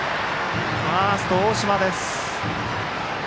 ファースト、大島です。